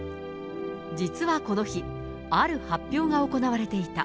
実はこの日、ある発表が行われていた。